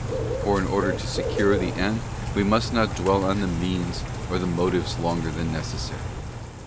For in order to secure the end we must not dwell on the means or the motives longer than necessary.